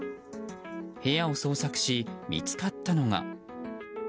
部屋を捜索し見つかったのが。